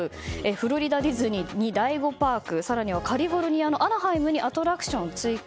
フロリダディズニーに第５パーク更にはカリフォルニアのアナハイムにアトラクションを追加